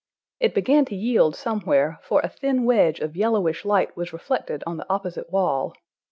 It began to yield somewhere, for a thin wedge of yellowish light was reflected on the opposite wall.